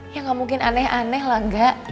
ya nggak mungkin aneh aneh lah kak